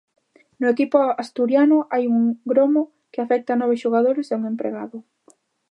No equipo asturiano hai un gromo que afecta nove xogadores e un empregado.